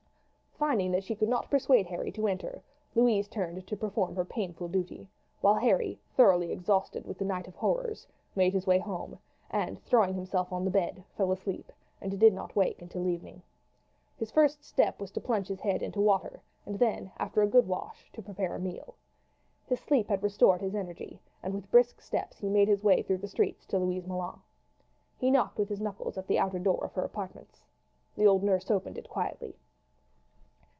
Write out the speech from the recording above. Finding that she could not persuade Harry to enter, Louise turned to perform her painful duty; while Harry, thoroughly exhausted with the night of horrors, made his way home, and throwing himself on the bed, fell asleep, and did not wake until evening. His first step was to plunge his head into water, and then, after a good wash, to prepare a meal. His sleep had restored his energy, and with brisk steps he made his way through the streets to Louise Moulin. He knocked with his knuckles at the outer door of her apartments. The old nurse opened it quietly.